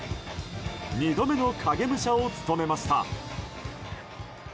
２度目の影武者を務めました。